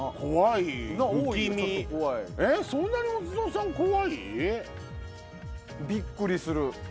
そんなにお地蔵さん怖い？「びっくりする」